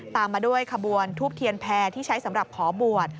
ตามมาด้วยขบวนทูบเทียนแพร่ที่ใช้สำหรับขอบวช